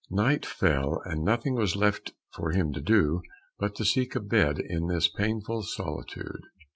Night fell, and nothing was left for him to do, but to seek a bed in this painful solitude.